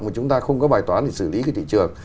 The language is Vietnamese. mà chúng ta không có bài toán để xử lý cái thị trường